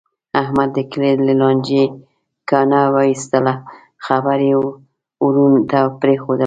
احمد د کلي له لانجې کونه و ایستله. خبره یې ورڼو ته پرېښودله.